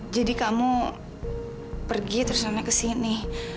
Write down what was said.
jadi kamu pergi terus nanya kesini